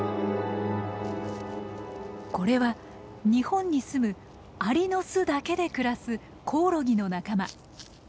これは日本にすむアリの巣だけで暮らすコオロギの仲間。